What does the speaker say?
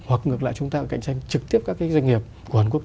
hoặc ngược lại chúng ta cạnh tranh trực tiếp các doanh nghiệp của hàn quốc